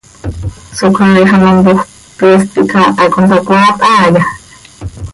¿Socaaix ano mpoofp, pyeest quih caaha consacoaat haaya?